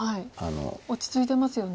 落ち着いてますよね。